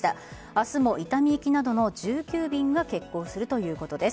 明日も伊丹行きなどの１９便が欠航するということです。